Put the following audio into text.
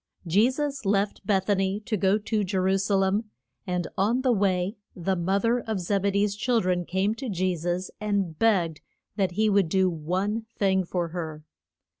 Je sus left Beth a ny to go to Je ru sa lem, and on the way the mo ther of Zeb e dee's chil dren came to Je sus and begged that he would do one thing for her.